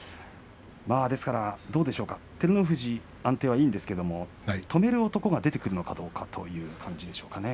どうでしょうか照ノ富士の安定はいいんですけれども止める男が出てくるのかというところでしょうか。